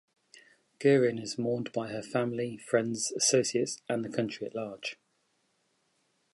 Guerin is mourned by her family, friends, associates and the country at large.